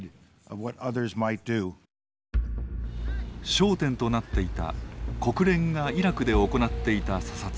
焦点となっていた国連がイラクで行っていた査察。